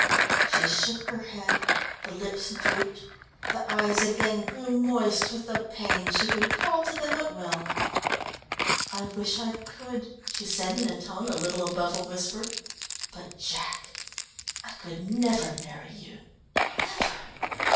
She shook her head, the lips drooped, the eyes again grew moist with the pain she could call to them at will. "I wish I could," she said in a tone a little above a whisper, "but, Jack, I could never marry you, never!"